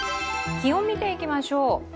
気温を見ていきましょう。